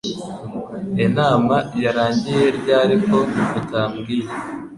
Inama yarangiye ryari ko mutabwiye ?.